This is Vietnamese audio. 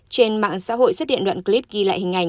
trên mạng xã hội xuất hiện đoạn clip ghi lại hình ảnh